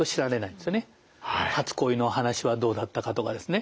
初恋の話はどうだったかとかですね